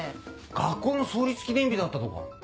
学校の創立記念日だったとか。